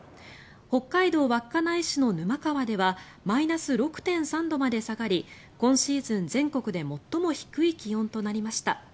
北海道稚内市の沼川ではマイナス６．３度まで下がり今シーズン全国で最も低い気温となりました。